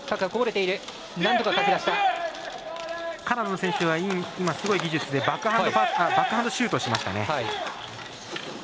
カナダの選手は今、すごい技術でバックハンドシュートをしましたね。